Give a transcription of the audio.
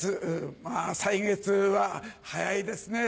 まぁ歳月は早いですね。